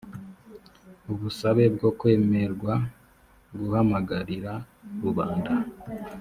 ubusabe bwo kwemererwa guhamagarira rubanda